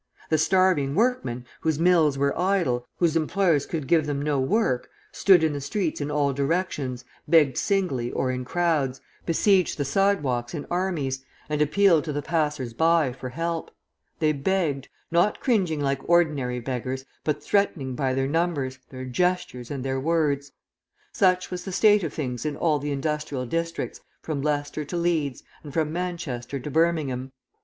The starving workmen, whose mills were idle, whose employers could give them no work, stood in the streets in all directions, begged singly or in crowds, besieged the sidewalks in armies, and appealed to the passers by for help; they begged, not cringing like ordinary beggars, but threatening by their numbers, their gestures, and their words. Such was the state of things in all the industrial districts, from Leicester to Leeds, and from Manchester to Birmingham.